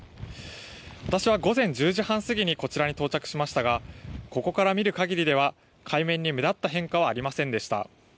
私は午前１０時半過ぎにこちらに到着しましたが、ここから見るかぎりでは海面に目立った変化はありませんでした。